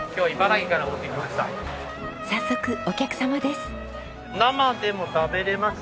早速お客様です。